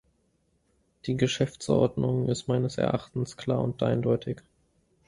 Die Geschäftsordnung ist meines Erachtens klar und eindeutig.